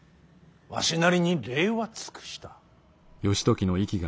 わしなりに礼は尽くした。